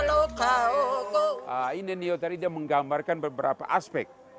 oinenio menggambarkan beberapa aspek